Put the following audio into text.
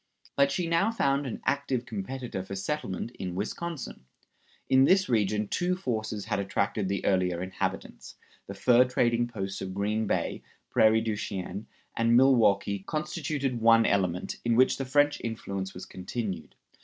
But she now found an active competitor for settlement in Wisconsin. In this region two forces had attracted the earlier inhabitants. The fur trading posts of Green Bay, Prairie du Chien, and Milwaukee constituted one element, in which the French influence was continued.